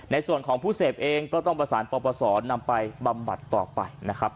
ในส่วนของผู้เสพเองก็ต้องประสานปปศนำไปบำบัดต่อไปนะครับ